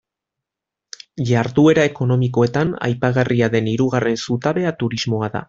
Jarduera ekonomikoetan aipagarria den hirugarren zutabea turismoa da.